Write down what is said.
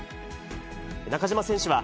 中島選手は、